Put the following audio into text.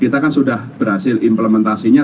kita kan sudah berhasil implementasinya